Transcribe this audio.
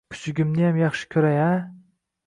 Kuchugimniyam yaxshi ko‘ray-a?